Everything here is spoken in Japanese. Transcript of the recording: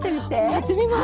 やってみます！